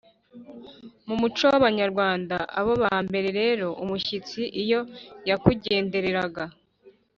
mu muco w’abanyarwanda bo hambere rero, umushyitsi iyo yakugendereraga